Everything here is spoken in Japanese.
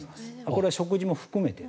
これは食事も含めて。